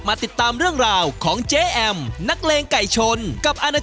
เหมือนก็หลายแสนอยู่นะคะ